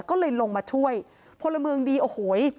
ก็เลยลงมาช่วย